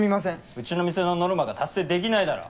うちの店のノルマが達成できないだろ。